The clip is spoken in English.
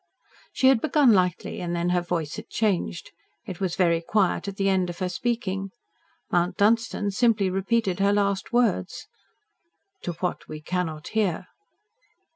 She had begun lightly, and then her voice had changed. It was very quiet at the end of her speaking. Mount Dunstan simply repeated her last words. "To what we cannot hear."